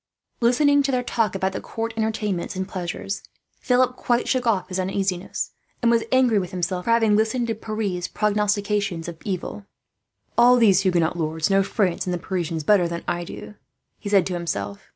Listening to their talk about the court entertainments and pleasures, Philip quite shook off his uneasiness, and was angry with himself for having listened to Pierre's prognostications of evil. "All these Huguenot lords know France and the Parisians better than I do," he said to himself.